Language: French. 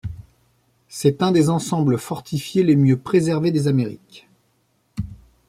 C'est un des ensembles fortifiés les mieux préservé des Amériques.